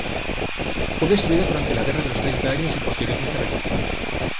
Fue destruida durante la Guerra de los Treinta Años y posteriormente reconstruida.